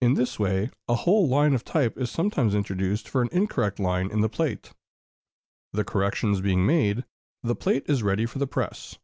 In this way a whole line of type is sometimes introduced for an incorrect line in the plate. The corrections being made, the plate is ready for the press.